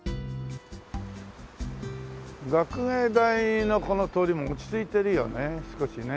学芸大のこの通りも落ち着いてるよね少しね。